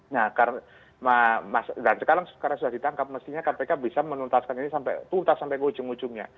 nah karena sekarang sudah ditangkap mestinya kpk bisa menuntaskan ini sampai tuntas sampai ke ujung ujungnya